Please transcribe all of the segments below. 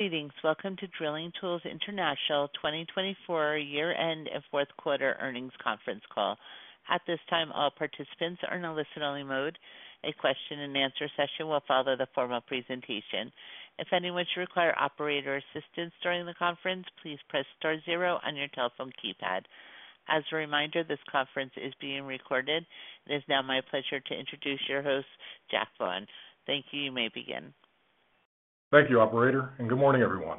Greetings. Welcome to Drilling Tools International 2024 year-end and fourth quarter earnings conference call. At this time, all participants are in a listen-only mode. A question-and-answer session will follow the formal presentation. If anyone should require operator assistance during the conference, please press star zero on your telephone keypad. As a reminder, this conference is being recorded. It is now my pleasure to introduce your host, Zach Vaughan. Thank you. You may begin. Thank you, Operator, and good morning, everyone.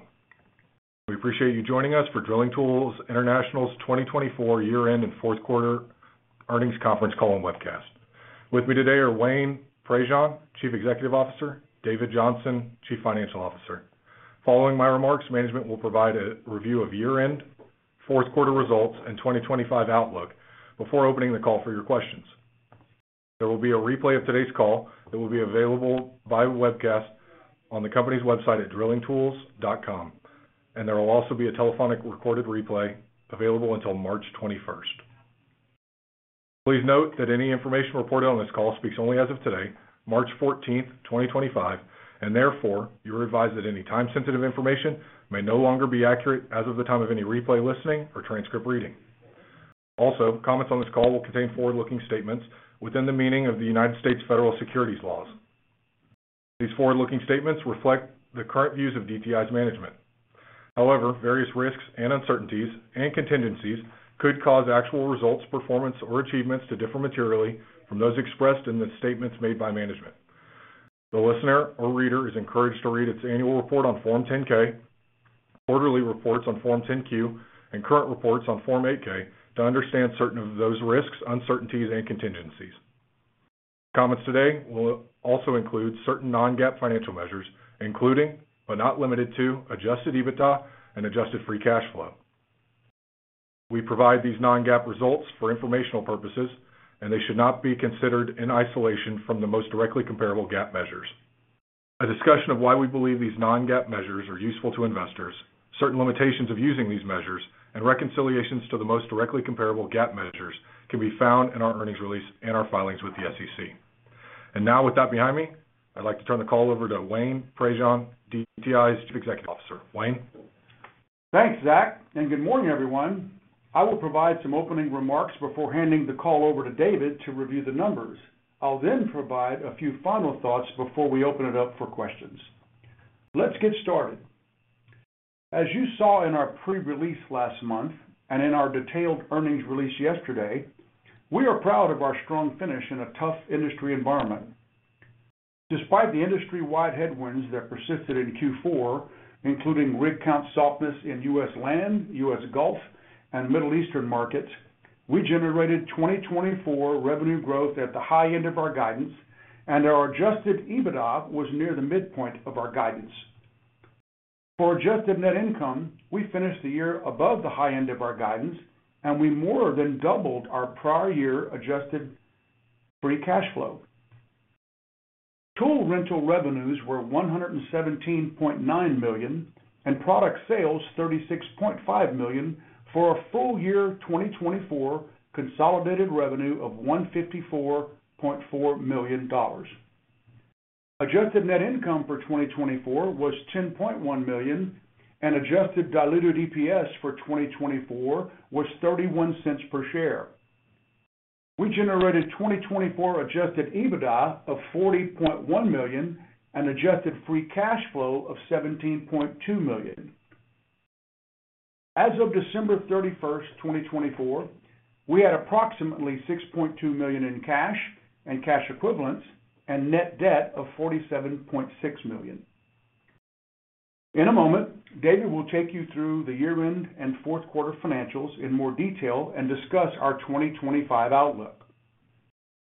We appreciate you joining us for Drilling Tools International's 2024 year-end and fourth quarter earnings conference call and webcast. With me today are Wayne Prejean, Chief Executive Officer, and David Johnson, Chief Financial Officer. Following my remarks, management will provide a review of year-end, fourth quarter results, and 2025 outlook before opening the call for your questions. There will be a replay of today's call that will be available via webcast on the company's website at drillingtools.com, and there will also be a telephonic recorded replay available until March 21. Please note that any information reported on this call speaks only as of today, March 14, 2025, and therefore, you are advised that any time-sensitive information may no longer be accurate as of the time of any replay listening or transcript reading. Also, comments on this call will contain forward-looking statements within the meaning of the United States Federal Securities Laws. These forward-looking statements reflect the current views of DTI's management. However, various risks and uncertainties and contingencies could cause actual results, performance, or achievements to differ materially from those expressed in the statements made by management. The listener or reader is encouraged to read its annual report on Form 10-K, quarterly reports on Form 10-Q, and current reports on Form 8-K to understand certain of those risks, uncertainties, and contingencies. Comments today will also include certain non-GAAP financial measures, including but not limited to adjusted EBITDA and adjusted free cash flow. We provide these non-GAAP results for informational purposes, and they should not be considered in isolation from the most directly comparable GAAP measures. A discussion of why we believe these non-GAAP measures are useful to investors, certain limitations of using these measures, and reconciliations to the most directly comparable GAAP measures can be found in our earnings release and our filings with the SEC. With that behind me, I'd like to turn the call over to Wayne Prejean, DTI's Chief Executive Officer. Wayne. Thanks, Zach, and good morning, everyone. I will provide some opening remarks before handing the call over to David to review the numbers. I'll then provide a few final thoughts before we open it up for questions. Let's get started. As you saw in our pre-release last month and in our detailed earnings release yesterday, we are proud of our strong finish in a tough industry environment. Despite the industry-wide headwinds that persisted in Q4, including rig count softness in U.S. land, U.S. Gulf, and Middle Eastern markets, we generated 2024 revenue growth at the high end of our guidance, and our adjusted EBITDA was near the midpoint of our guidance. For adjusted net income, we finished the year above the high end of our guidance, and we more than doubled our prior year adjusted free cash flow. Tool rental revenues were $117.9 million and product sales $36.5 million for a full year 2024 consolidated revenue of $154.4 million. Adjusted net income for 2024 was $10.1 million, and adjusted diluted EPS for 2024 was $0.31 per share. We generated 2024 adjusted EBITDA of $40.1 million and adjusted free cash flow of $17.2 million. As of December 31st, 2024, we had approximately $6.2 million in cash and cash equivalents and net debt of $47.6 million. In a moment, David will take you through the year-end and fourth quarter financials in more detail and discuss our 2025 outlook.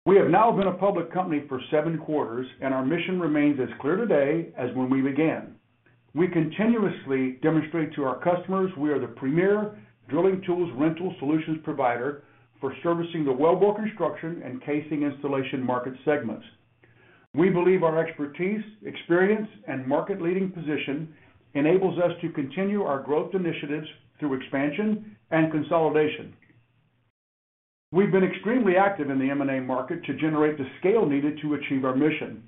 We have now been a public company for seven quarters, and our mission remains as clear today as when we began. We continuously demonstrate to our customers we are the premier drilling tools rental solutions provider for servicing the wellbore construction, and casing installation market segments. We believe our expertise, experience, and market-leading position enables us to continue our growth initiatives through expansion and consolidation. We've been extremely active in the M&A market to generate the scale needed to achieve our mission.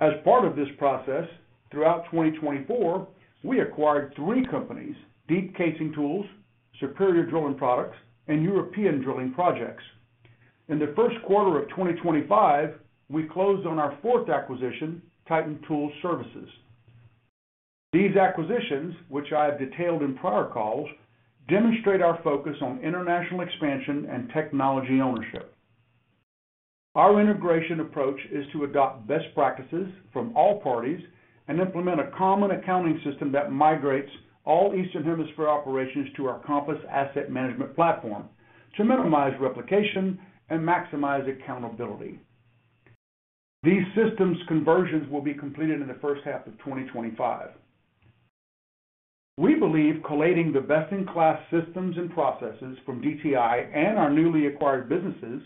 As part of this process, throughout 2024, we acquired three companies: Deep Casing Tools, Superior Drilling Products, and European Drilling Projects. In the first quarter of 2025, we closed on our fourth acquisition, Titan Tools Services. These acquisitions, which I have detailed in prior calls, demonstrate our focus on international expansion and technology ownership. Our integration approach is to adopt best practices from all parties and implement a common accounting system that migrates all Eastern Hemisphere operations to our Compass asset management platform to minimize replication and maximize accountability. These systems' conversions will be completed in the first half of 2025. We believe collating the best-in-class systems and processes from DTI and our newly acquired businesses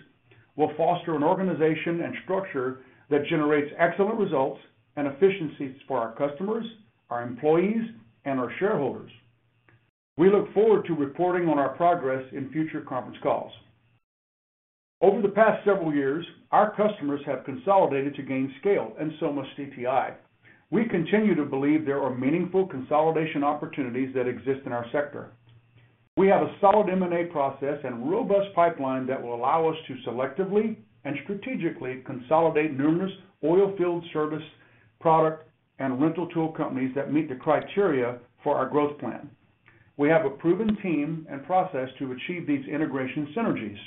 will foster an organization and structure that generates excellent results and efficiencies for our customers, our employees, and our shareholders. We look forward to reporting on our progress in future conference calls. Over the past several years, our customers have consolidated to gain scale, and so must DTI. We continue to believe there are meaningful consolidation opportunities that exist in our sector. We have a solid M&A process and robust pipeline that will allow us to selectively and strategically consolidate numerous oilfield service product and rental tool companies that meet the criteria for our growth plan. We have a proven team and process to achieve these integration synergies.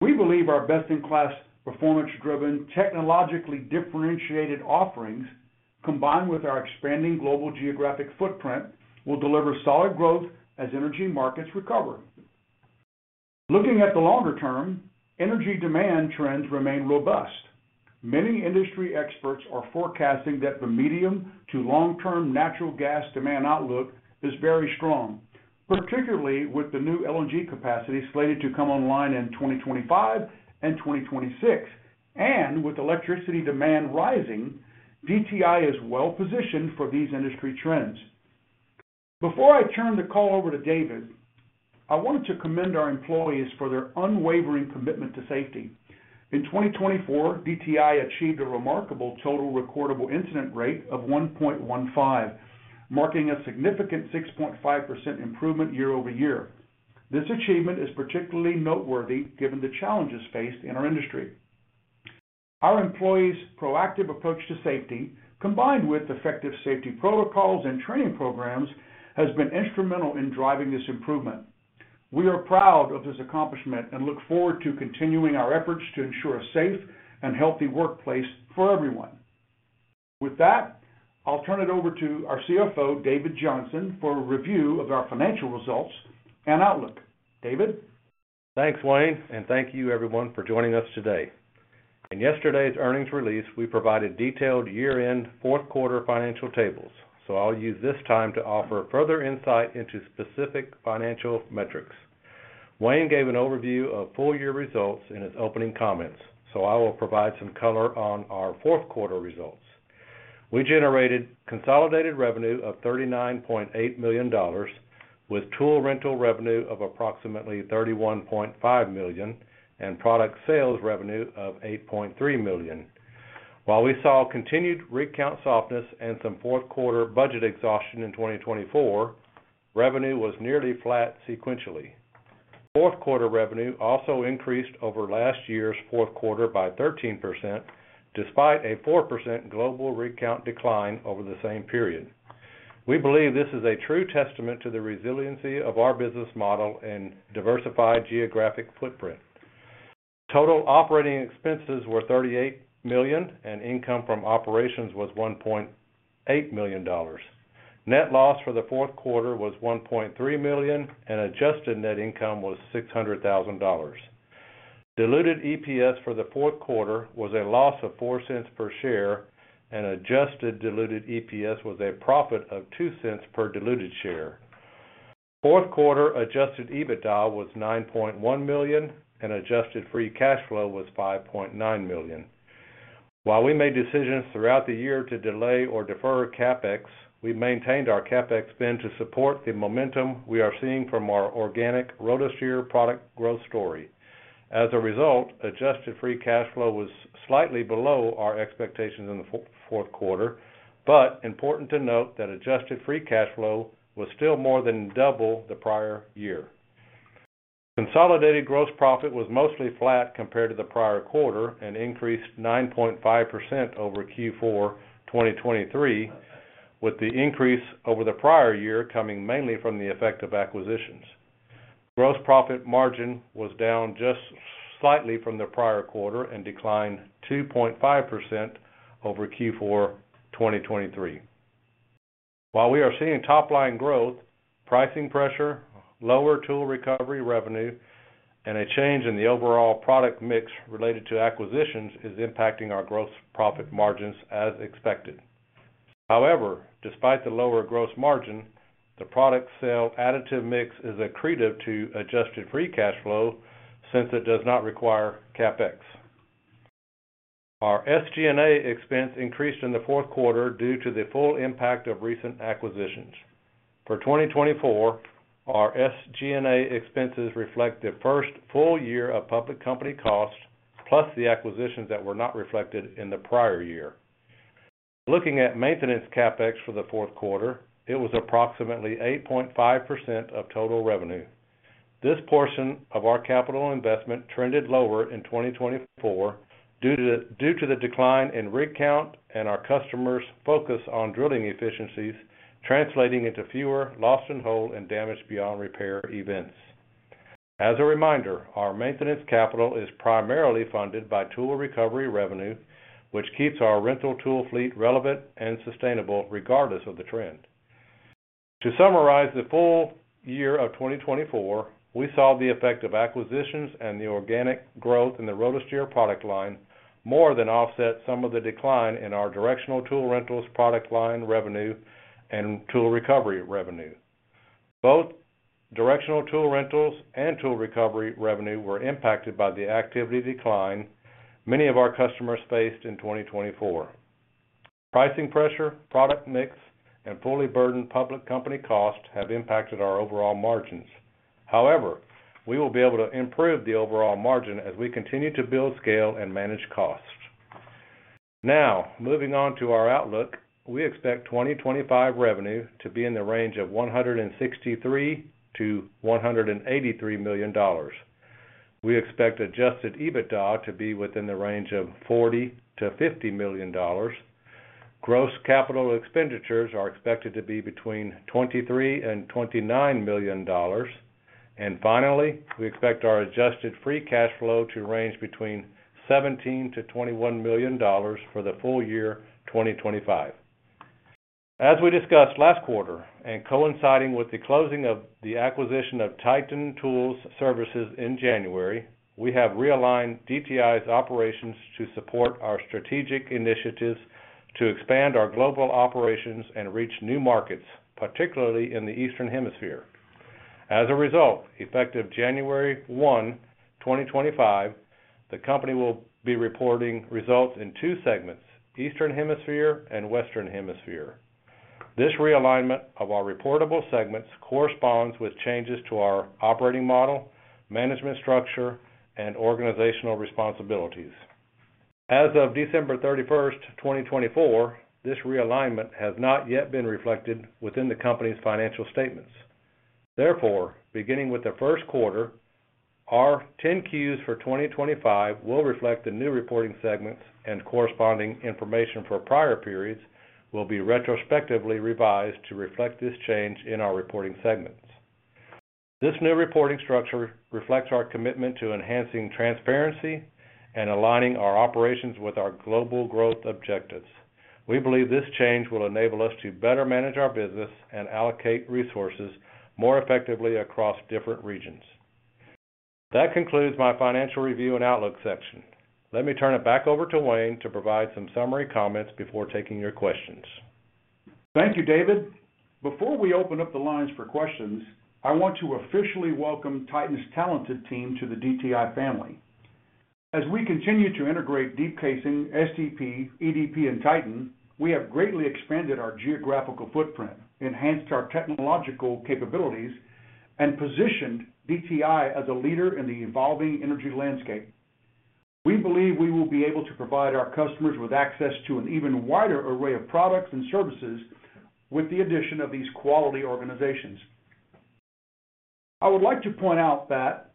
We believe our best-in-class, performance-driven, technologically differentiated offerings, combined with our expanding global geographic footprint, will deliver solid growth as energy markets recover. Looking at the longer term, energy demand trends remain robust. Many industry experts are forecasting that the medium to long-term natural gas demand outlook is very strong, particularly with the new LNG capacity slated to come online in 2025 and 2026, and with electricity demand rising, DTI is well-positioned for these industry trends. Before I turn the call over to David, I wanted to commend our employees for their unwavering commitment to safety. In 2024, DTI achieved a remarkable total recordable incident rate of 1.15, marking a significant 6.5% improvement year over year. This achievement is particularly noteworthy given the challenges faced in our industry. Our employees' proactive approach to safety, combined with effective safety protocols and training programs, has been instrumental in driving this improvement. We are proud of this accomplishment and look forward to continuing our efforts to ensure a safe and healthy workplace for everyone. With that, I'll turn it over to our CFO, David Johnson, for a review of our financial results and outlook. David. Thanks, Wayne, and thank you, everyone, for joining us today. In yesterday's earnings release, we provided detailed year-end, fourth quarter financial tables, so I'll use this time to offer further insight into specific financial metrics. Wayne gave an overview of full-year results in his opening comments, so I will provide some color on our fourth quarter results. We generated consolidated revenue of $39.8 million, with tool rental revenue of approximately $31.5 million and product sales revenue of $8.3 million. While we saw continued rig count softness and some fourth quarter budget exhaustion in 2024, revenue was nearly flat sequentially. Fourth quarter revenue also increased over last year's fourth quarter by 13%, despite a 4% global rig count decline over the same period. We believe this is a true testament to the resiliency of our business model and diversified geographic footprint. Total operating expenses were $38 million, and income from operations was $1.8 million. Net loss for the fourth quarter was $1.3 million, and adjusted net income was $600,000. Diluted EPS for the fourth quarter was a loss of $0.04 per share, and adjusted diluted EPS was a profit of $0.02 per diluted share. Fourth quarter adjusted EBITDA was $9.1 million, and adjusted free cash flow was $5.9 million. While we made decisions throughout the year to delay or defer CapEx, we maintained our CapEx spend to support the momentum we are seeing from our organic rotary steerable product growth story. As a result, adjusted free cash flow was slightly below our expectations in the fourth quarter, but important to note that adjusted free cash flow was still more than double the prior year. Consolidated gross profit was mostly flat compared to the prior quarter and increased 9.5% over Q4 2023, with the increase over the prior year coming mainly from the effect of acquisitions. Gross profit margin was down just slightly from the prior quarter and declined 2.5% over Q4 2023. While we are seeing top-line growth, pricing pressure, lower tool recovery revenue, and a change in the overall product mix related to acquisitions is impacting our gross profit margins as expected. However, despite the lower gross margin, the product sale additive mix is accretive to adjusted free cash flow since it does not require CapEx. Our SG&A expense increased in the fourth quarter due to the full impact of recent acquisitions. For 2024, our SG&A expenses reflect the first full year of public company costs plus the acquisitions that were not reflected in the prior year. Looking at maintenance CapEx for the fourth quarter, it was approximately 8.5% of total revenue. This portion of our capital investment trended lower in 2024 due to the decline in rig count and our customers' focus on drilling efficiencies, translating into fewer lost-in-hole and damaged-beyond-repair events. As a reminder, our maintenance capital is primarily funded by tool recovery revenue, which keeps our rental tool fleet relevant and sustainable regardless of the trend. To summarize the full year of 2024, we saw the effect of acquisitions and the organic growth in the rotary steerable product line more than offset some of the decline in our directional tool rentals product line revenue and tool recovery revenue. Both directional tool rentals and tool recovery revenue were impacted by the activity decline many of our customers faced in 2024. Pricing pressure, product mix, and fully burdened public company costs have impacted our overall margins. However, we will be able to improve the overall margin as we continue to build scale and manage costs. Now, moving on to our outlook, we expect 2025 revenue to be in the range of $163-$183 million. We expect adjusted EBITDA to be within the range of $40-$50 million. Gross capital expenditures are expected to be between $23-$29 million. Finally, we expect our adjusted free cash flow to range between $17-$21 million for the full year 2025. As we discussed last quarter and coinciding with the closing of the acquisition of Titan Tools Services in January, we have realigned DTI's operations to support our strategic initiatives to expand our global operations and reach new markets, particularly in the Eastern Hemisphere. As a result, effective January 1, 2025, the company will be reporting results in two segments: Eastern Hemisphere and Western Hemisphere. This realignment of our reportable segments corresponds with changes to our operating model, management structure, and organizational responsibilities. As of December 31st, 2024, this realignment has not yet been reflected within the company's financial statements. Therefore, beginning with the first quarter, our 10-Q's for 2025 will reflect the new reporting segments, and corresponding information for prior periods will be retrospectively revised to reflect this change in our reporting segments. This new reporting structure reflects our commitment to enhancing transparency and aligning our operations with our global growth objectives. We believe this change will enable us to better manage our business and allocate resources more effectively across different regions. That concludes my financial review and outlook section. Let me turn it back over to Wayne to provide some summary comments before taking your questions. Thank you, David. Before we open up the lines for questions, I want to officially welcome Titan's talented team to the DTI family. As we continue to integrate Deep Casing, SDP, EDP, and Titan, we have greatly expanded our geographical footprint, enhanced our technological capabilities, and positioned DTI as a leader in the evolving energy landscape. We believe we will be able to provide our customers with access to an even wider array of products and services with the addition of these quality organizations. I would like to point out that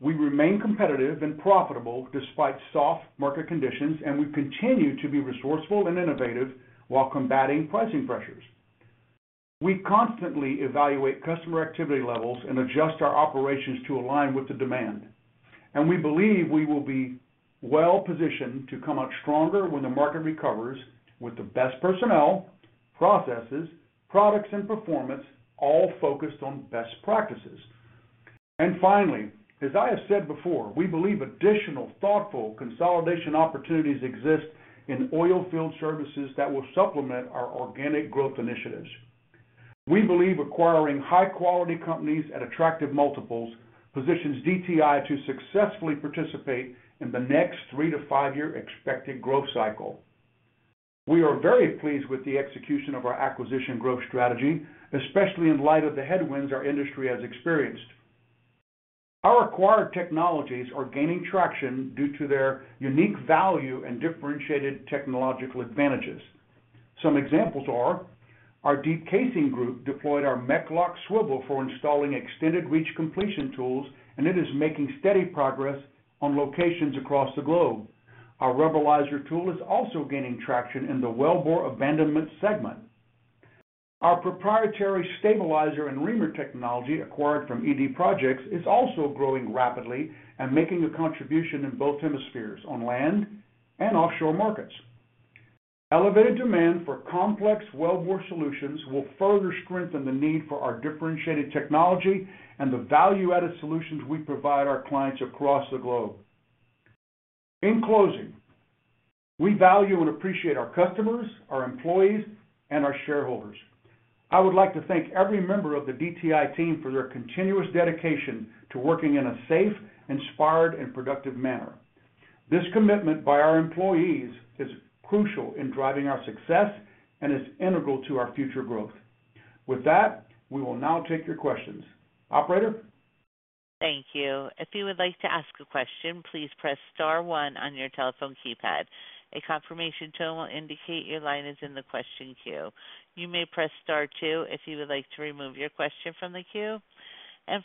we remain competitive and profitable despite soft market conditions, and we continue to be resourceful and innovative while combating pricing pressures. We constantly evaluate customer activity levels and adjust our operations to align with the demand. We believe we will be well-positioned to come out stronger when the market recovers with the best personnel, processes, products, and performance all focused on best practices. Finally, as I have said before, we believe additional thoughtful consolidation opportunities exist in oilfield services that will supplement our organic growth initiatives. We believe acquiring high-quality companies at attractive multiples positions DTI to successfully participate in the next three to five-year expected growth cycle. We are very pleased with the execution of our acquisition growth strategy, especially in light of the headwinds our industry has experienced. Our acquired technologies are gaining traction due to their unique value and differentiated technological advantages. Some examples are our Deep Casing Tools group deployed our MechLOK Swivel for installing extended reach completion tools, and it is making steady progress on locations across the globe. Our Rubblizer tool is also gaining traction in the wellbore abandonment segment. Our proprietary stabilizer and reamer technology acquired from European Drilling Projects is also growing rapidly and making a contribution in both hemispheres on land and offshore markets. Elevated demand for complex wellbore solutions will further strengthen the need for our differentiated technology and the value-added solutions we provide our clients across the globe. In closing, we value and appreciate our customers, our employees, and our shareholders. I would like to thank every member of the DTI team for their continuous dedication to working in a safe, inspired, and productive manner. This commitment by our employees is crucial in driving our success and is integral to our future growth. With that, we will now take your questions. Operator. Thank you. If you would like to ask a question, please press Star 1 on your telephone keypad. A confirmation tone will indicate your line is in the question queue. You may press Star 2 if you would like to remove your question from the queue.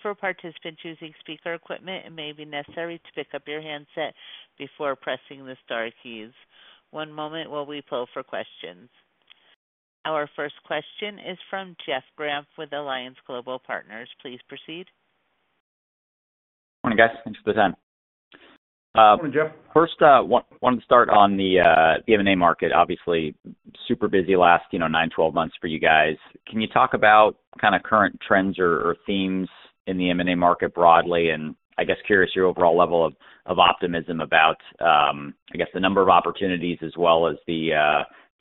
For participants using speaker equipment, it may be necessary to pick up your handset before pressing the Star keys. One moment while we pull for questions. Our first question is from Jeff Grampp with Alliance Global Partners. Please proceed. Morning, guys. Thanks for the time. Morning, Jeff. First, I wanted to start on the M&A market. Obviously, super busy last 9, 12 months for you guys. Can you talk about kind of current trends or themes in the M&A market broadly? I guess curious your overall level of optimism about, I guess, the number of opportunities as well as the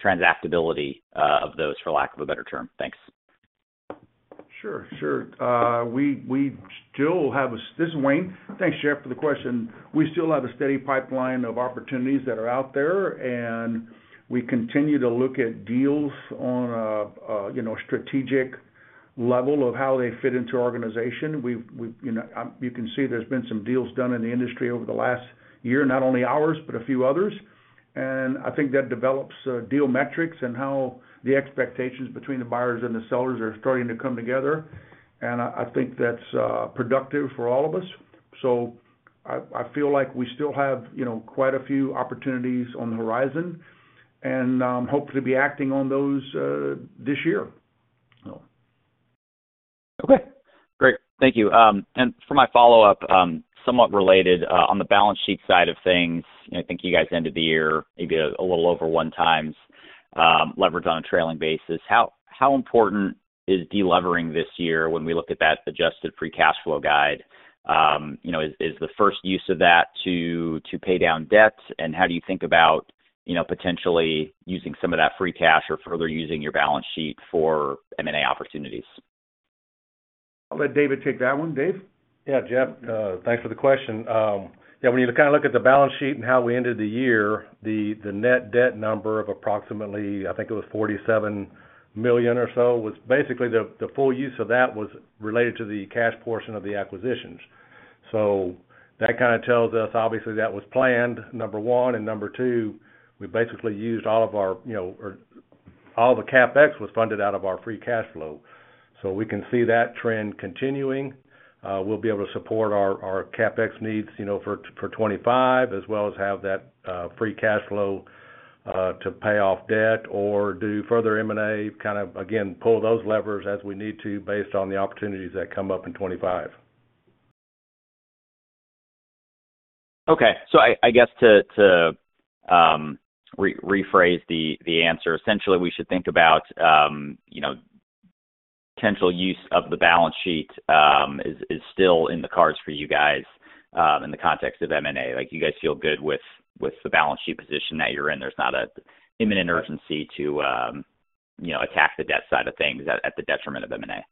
transactability of those, for lack of a better term. Thanks. Sure, sure. We still have a—this is Wayne. Thanks, Jeff, for the question. We still have a steady pipeline of opportunities that are out there, and we continue to look at deals on a strategic level of how they fit into our organization. You can see there have been some deals done in the industry over the last year, not only ours, but a few others. I think that develops deal metrics and how the expectations between the buyers and the sellers are starting to come together. I think that is productive for all of us. I feel like we still have quite a few opportunities on the horizon and hope to be acting on those this year. Okay. Great. Thank you. For my follow-up, somewhat related on the balance sheet side of things, I think you guys ended the year maybe a little over one times leverage on a trailing basis. How important is delivering this year when we look at that adjusted free cash flow guide? Is the first use of that to pay down debt? How do you think about potentially using some of that free cash or further using your balance sheet for M&A opportunities? I'll let David take that one. Dave? Yeah, Jeff. Thanks for the question. Yeah, when you kind of look at the balance sheet and how we ended the year, the net debt number of approximately, I think it was $47 million or so, was basically the full use of that was related to the cash portion of the acquisitions. That kind of tells us, obviously, that was planned, number one. Number two, we basically used all of our—all the CapEx was funded out of our free cash flow. We can see that trend continuing. We'll be able to support our CapEx needs for 2025 as well as have that free cash flow to pay off debt or do further M&A, kind of, again, pull those levers as we need to based on the opportunities that come up in 2025. Okay. I guess to rephrase the answer, essentially, we should think about potential use of the balance sheet is still in the cards for you guys in the context of M&A. You guys feel good with the balance sheet position that you're in. There's not an imminent urgency to attack the debt side of things at the detriment of M&A.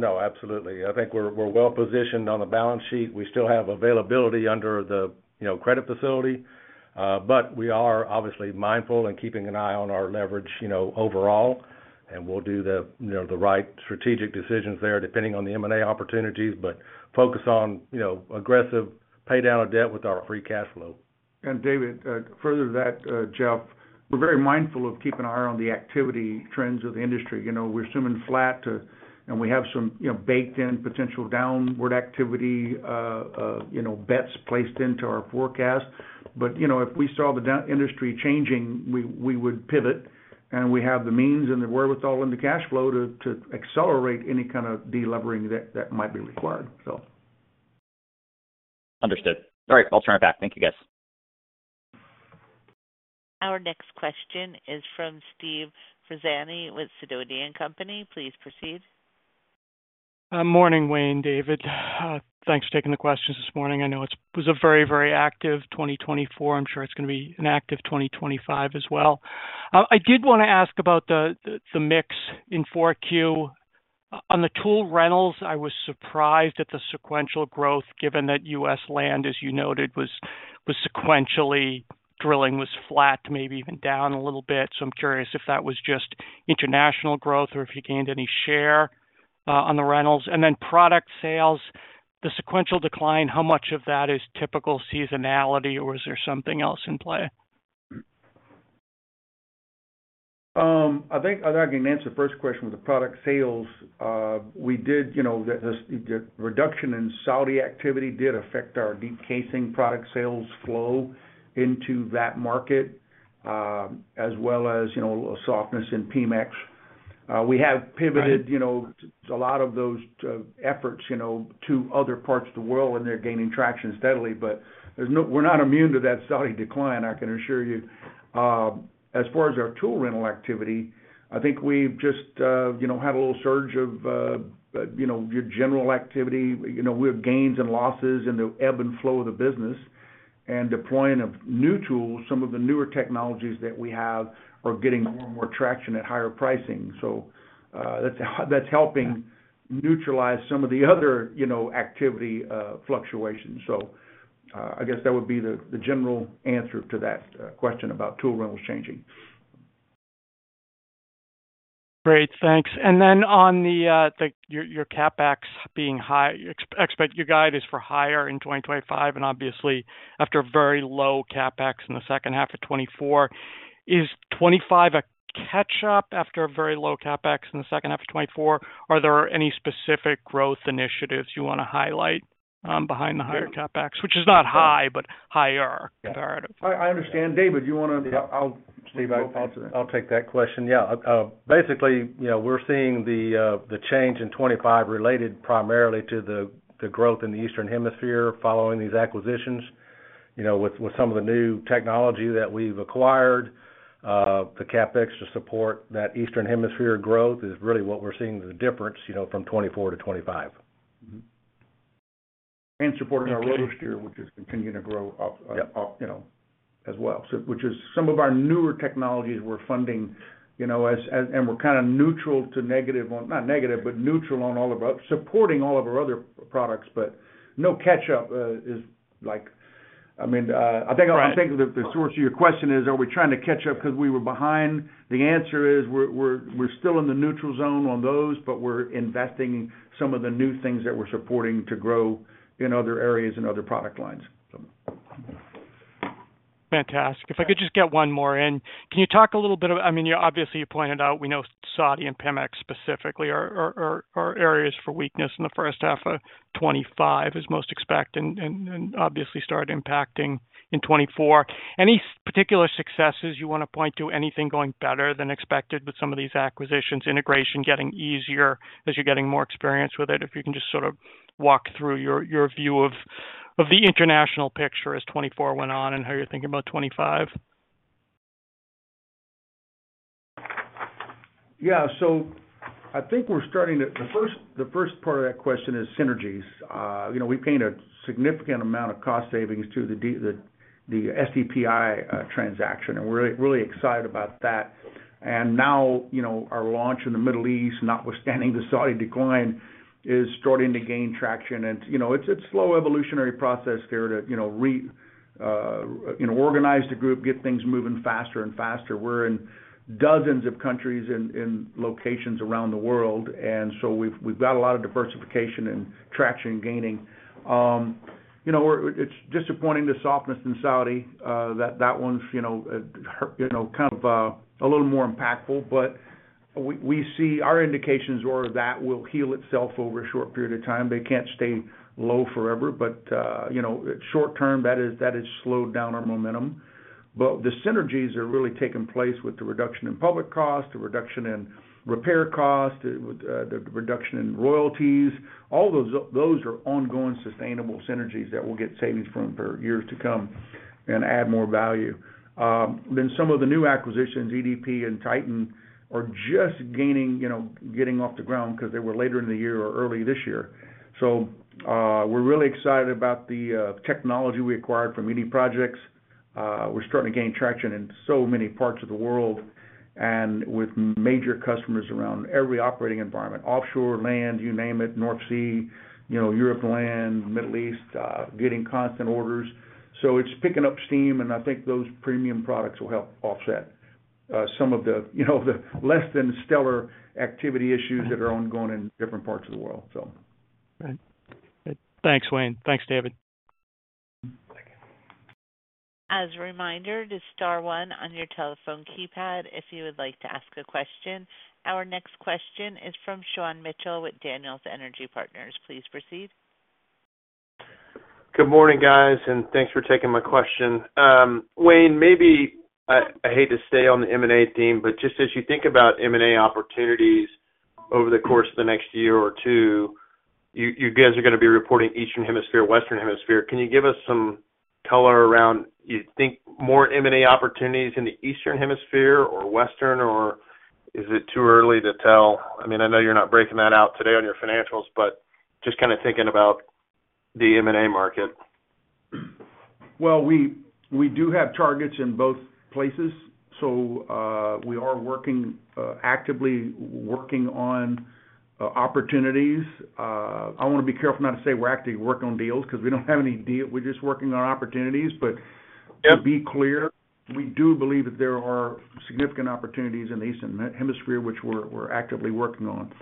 No, absolutely. I think we're well-positioned on the balance sheet. We still have availability under the credit facility, but we are obviously mindful and keeping an eye on our leverage overall. We'll do the right strategic decisions there depending on the M&A opportunities, but focus on aggressive pay down of debt with our free cash flow. David, further to that, Jeff, we're very mindful of keeping an eye on the activity trends of the industry. We're swimming flat, and we have some baked-in potential downward activity bets placed into our forecast. If we saw the industry changing, we would pivot, and we have the means and the wherewithal and the cash flow to accelerate any kind of delivering that might be required. Understood. All right. I'll turn it back. Thank you, guys. Our next question is from Steve Ferazani with Sidoti & Company. Please proceed. Morning, Wayne, David. Thanks for taking the questions this morning. I know it was a very, very active 2024. I'm sure it's going to be an active 2025 as well. I did want to ask about the mix in Q4. On the tool rentals, I was surprised at the sequential growth, given that U.S. land, as you noted, was sequentially drilling, was flat, maybe even down a little bit. I am curious if that was just international growth or if you gained any share on the rentals. Then product sales, the sequential decline, how much of that is typical seasonality, or is there something else in play? I think I can answer the first question with the product sales. We did—the reduction in Saudi activity did affect our Deep Casing product sales flow into that market, as well as a softness in Pemex. We have pivoted a lot of those efforts to other parts of the world, and they're gaining traction steadily. We are not immune to that Saudi decline, I can assure you. As far as our tool rental activity, I think we've just had a little surge of your general activity. We have gains and losses in the ebb and flow of the business. Deploying of new tools, some of the newer technologies that we have are getting more and more traction at higher pricing. That is helping neutralize some of the other activity fluctuations. I guess that would be the general answer to that question about tool rentals changing. Great. Thanks. Then on your CapEx being high, your guide is for higher in 2025, and obviously, after a very low CapEx in the second half of 2024, is 2025 a catch-up after a very low CapEx in the second half of 2024? Are there any specific growth initiatives you want to highlight behind the higher CapEx, which is not high, but higher comparative? I understand. David, you want to— I'll take that question. Yeah. Basically, we're seeing the change in 2025 related primarily to the growth in the Eastern Hemisphere following these acquisitions with some of the new technology that we've acquired. The CapEX to support that Eastern Hemisphere growth is really what we're seeing the difference from 2024 to 2025. Supporting our rotary steerable, which is continuing to grow up as well, which is some of our newer technologies we're funding. We're kind of neutral to negative on—not negative, but neutral on all of our supporting all of our other products, but no catch-up is like—I mean, I think the source of your question is, are we trying to catch up because we were behind? The answer is we're still in the neutral zone on those, but we're investing in some of the new things that we're supporting to grow in other areas and other product lines. Fantastic. If I could just get one more in, can you talk a little bit about—I mean, obviously, you pointed out we know Saudi and Pemex specifically are areas for weakness in the first half of 2025 as most expected and obviously started impacting in 2024. Any particular successes you want to point to? Anything going better than expected with some of these acquisitions, integration getting easier as you're getting more experience with it? If you can just sort of walk through your view of the international picture as 2024 went on and how you're thinking about 2025. Yeah. I think we're starting to—the first part of that question is synergies. We paid a significant amount of cost savings to the SDPI transaction, and we're really excited about that. Now our launch in the Middle East, notwithstanding the Saudi decline, is starting to gain traction. It's a slow evolutionary process there to organize the group, get things moving faster and faster. We're in dozens of countries and locations around the world, and so we've got a lot of diversification and traction gaining. It's disappointing, the softness in Saudi. That one's kind of a little more impactful, but we see our indications are that will heal itself over a short period of time. They can't stay low forever, but short-term, that has slowed down our momentum. The synergies are really taking place with the reduction in public cost, the reduction in repair cost, the reduction in royalties. All those are ongoing sustainable synergies that will get savings from for years to come and add more value. Some of the new acquisitions, EDP and Titan, are just getting off the ground because they were later in the year or early this year. We are really excited about the technology we acquired from European Drilling Projects. We are starting to gain traction in so many parts of the world and with major customers around every operating environment: offshore, land, you name it, North Sea, Europe land, Middle East, getting constant orders. It is picking up steam, and I think those premium products will help offset some of the less-than-stellar activity issues that are ongoing in different parts of the world. Right. Thanks, Wayne. Thanks, David. As a reminder, this is Star 1 on your telephone keypad if you would like to ask a question. Our next question is from Sean Mitchell with Daniel Energy Partners. Please proceed. Good morning, guys, and thanks for taking my question. Wayne, maybe I hate to stay on the M&A theme, but just as you think about M&A opportunities over the course of the next year or two, you guys are going to be reporting Eastern Hemisphere, Western Hemisphere. Can you give us some color around, you think, more M&A opportunities in the Eastern Hemisphere or Western, or is it too early to tell? I mean, I know you're not breaking that out today on your financials, but just kind of thinking about the M&A market. We do have targets in both places, so we are actively working on opportunities. I want to be careful not to say we're actively working on deals because we don't have any deal. We're just working on opportunities. To be clear, we do believe that there are significant opportunities in the Eastern Hemisphere, which we're actively working on.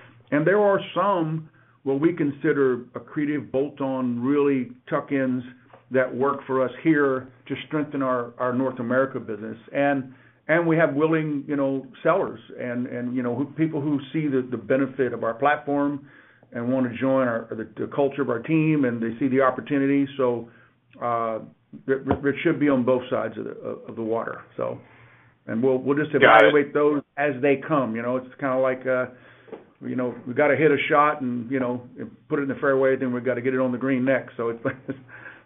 There are some what we consider accretive bolt-on, really tuck-ins that work for us here to strengthen our North America business. We have willing sellers and people who see the benefit of our platform and want to join the culture of our team, and they see the opportunity. It should be on both sides of the water. We'll just evaluate those as they come. It's kind of like we got to hit a shot and put it in the fairway, then we got to get it on the green next. We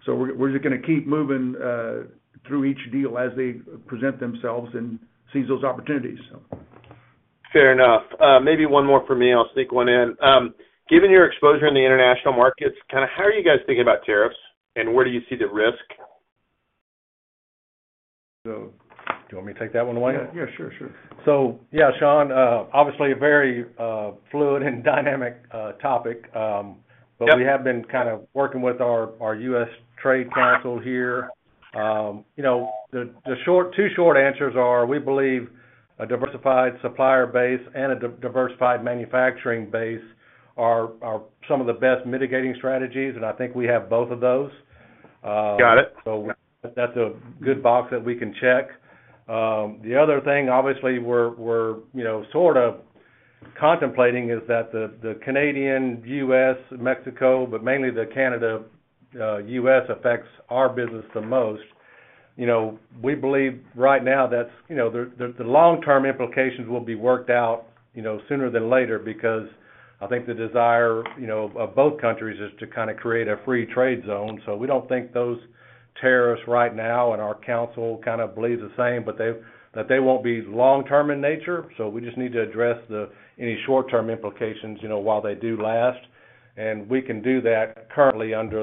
are just going to keep moving through each deal as they present themselves and seize those opportunities. Fair enough. Maybe one more from me. I'll sneak one in. Given your exposure in the international markets, kind of how are you guys thinking about tariffs, and where do you see the risk? Do you want me to take that one away? Yeah. Sure. Yeah, Sean, obviously a very fluid and dynamic topic, but we have been kind of working with our U.S. Trade Council here. The two short answers are, we believe a diversified supplier base and a diversified manufacturing base are some of the best mitigating strategies, and I think we have both of those. Got it. That is a good box that we can check. The other thing, obviously, we are sort of contemplating is that the Canadian, U.S., Mexico, but mainly the Canada-U.S. affects our business the most. We believe right now that the long-term implications will be worked out sooner than later because I think the desire of both countries is to kind of create a free trade zone. We do not think those tariffs right now and our council kind of believe the same, that they will not be long-term in nature. We just need to address any short-term implications while they do last. We can do that currently under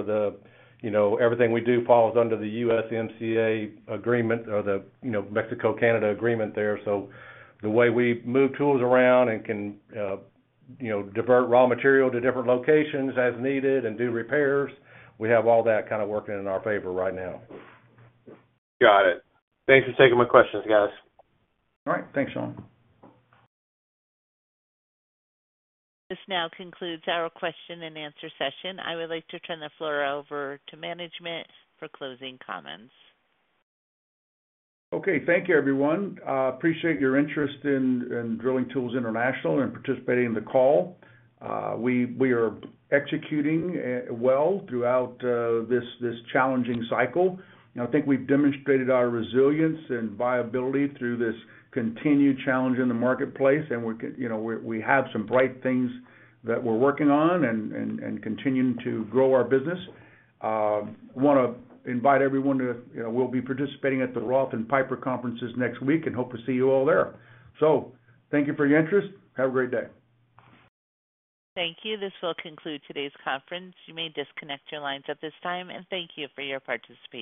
everything we do, which falls under the USMCA agreement or the Mexico-Canada agreement there. The way we move tools around and can divert raw material to different locations as needed and do repairs, we have all that kind of working in our favor right now. Got it. Thanks for taking my questions, guys. All right. Thanks, Sean. This now concludes our question and answer session. I would like to turn the floor over to management for closing comments. Okay. Thank you, everyone. Appreciate your interest in Drilling Tools International and participating in the call. We are executing well throughout this challenging cycle. I think we've demonstrated our resilience and viability through this continued challenge in the marketplace, and we have some bright things that we're working on and continuing to grow our business. Want to invite everyone to we'll be participating at the Roth and Piper conferences next week and hope to see you all there. Thank you for your interest. Have a great day. Thank you. This will conclude today's conference. You may disconnect your lines at this time, and thank you for your participation.